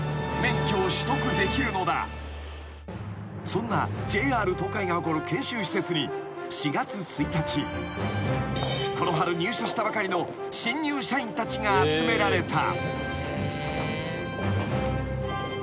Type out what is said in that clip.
［そんなＪＲ東海が誇る研修施設に４月１日この春入社したばかりの新入社員たちが集められた］